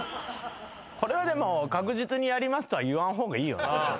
これはでも「確実にやります」とは言わん方がいい。